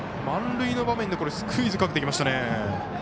満塁の場面でスクイズかけてきましたね。